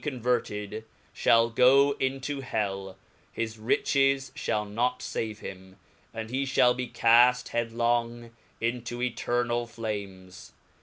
78 j converted, fhall go into hell, his riches fhall not favc him, and he dial! be caft headlong intaeternall flames.